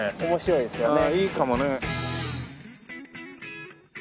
いいかもね。